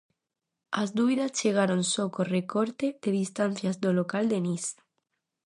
As dúbidas chegaron só co recorte de distancias do local Denis.